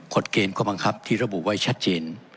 เกณฑ์ข้อบังคับที่ระบุไว้ชัดเจน